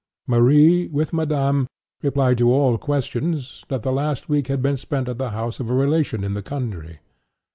Marie, with Madame, replied to all questions, that the last week had been spent at the house of a relation in the country.